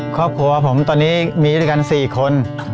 ครอบครัวผมตอนนี้มีด้วยกัน๔คน